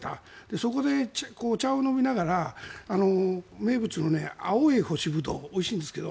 そこでお茶を飲みながら名物の青い干しブドウおいしいんですけど